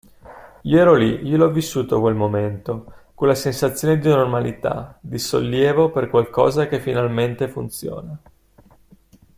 Io ero lì, io l'ho vissuto quel momento, quella sensazione di normalità, di sollievo per qualcosa che finalmente funziona.